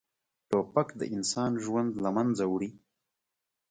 توپک د انسان ژوند له منځه وړي.